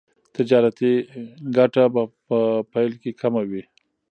تجارتي ګټه په پیل کې کمه وي.